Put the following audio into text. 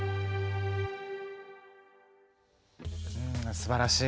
すばらしい。